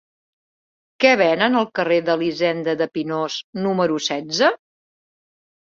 Què venen al carrer d'Elisenda de Pinós número setze?